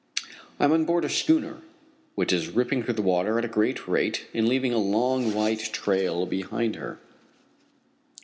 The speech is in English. I am on board a schooner which is ripping through the water at a great rate and leaving a long white trail behind her.